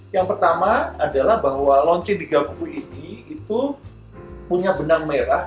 yang pertama adalah bahwa launching tiga buku ini itu punya benang merah